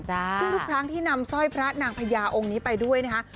ซึ่งทุกครั้งที่นำสร้อยพระนางพญาองค์นี้ไปด้วยนะคะ